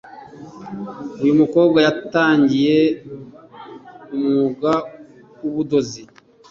uyumukobwa yatangiye umwuga wubudozi